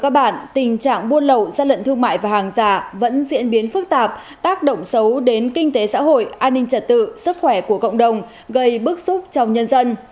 công tác buôn lậu gian lận thương mại và hàng giả vẫn diễn biến phức tạp tác động xấu đến kinh tế xã hội an ninh trật tự sức khỏe của cộng đồng gây bức xúc trong nhân dân